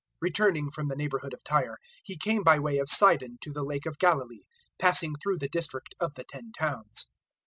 007:031 Returning from the neighbourhood of Tyre, He came by way of Sidon to the Lake of Galilee, passing through the district of the Ten Towns.